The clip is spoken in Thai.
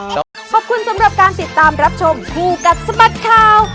ขอบคุณสำหรับการติดตามรับชมคู่กัดสะบัดข่าว